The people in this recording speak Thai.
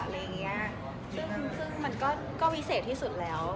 ซึ่งมันก็วิเศษที่สุดแล้ว